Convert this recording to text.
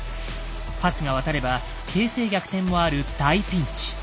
パスが渡れば形勢逆転もある大ピンチ。